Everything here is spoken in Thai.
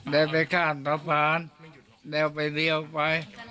แล้วไปข้ามกระพานแล้วไปเรียวไป